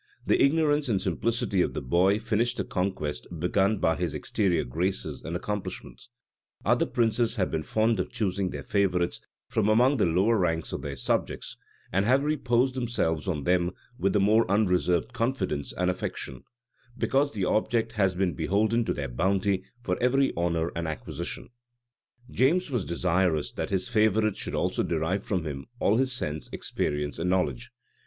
The ignorance and simplicity of the boy finished the conquest begun by his exterior graces and accomplishments. Other princes have been fond of choosing their favorites from among the lower ranks of their subjects, and have reposed themselves on them with the more unreserved confidence and affection, because the object has been beholden to their bounty for every honor and acquisition: James was desirous that his favorite should also derive from him all his sense, experience, and knowledge.